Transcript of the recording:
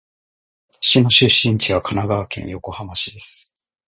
私の出身地は神奈川県横浜市です。